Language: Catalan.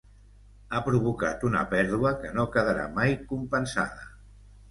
Ha provocat una pèrdua que no quedarà mai compensada.